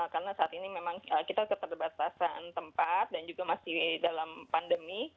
karena saat ini memang kita keterbatasan tempat dan juga masih dalam pandemi